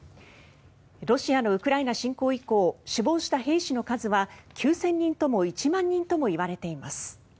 ロシアのウクライナ侵攻以降死亡した兵士の数は９０００人とも１万人ともいわれています。